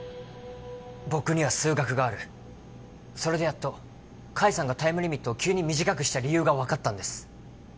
僕には数学があるそれでやっと海さんがタイムリミットを急に短くした理由が分かったんです